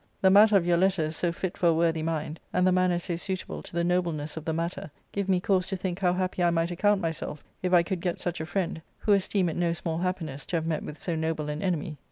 The matter of your letters so fit for a worthy mind, and the manner so suitable to the nobleness of the matter, give me cause to think how happy I might account myself if I could get such a friend, who esteem it no small happiness to have met with so noble an enemy.